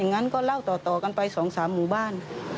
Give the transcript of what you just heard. งั้นก็เล่าต่อกันไป๒๓หมู่บ้าน